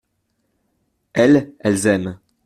Elles, elles aiment.